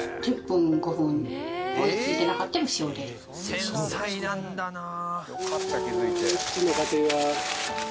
繊細なんだなあ。